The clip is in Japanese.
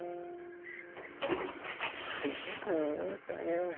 もう静かに見守ってあげようよ。